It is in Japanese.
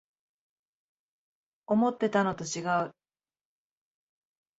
思ってたのとちがう